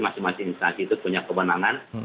masing masing instansi itu punya kewenangan